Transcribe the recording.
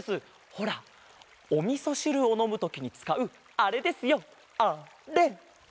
ほらおみそしるをのむときにつかうあれですよあれ。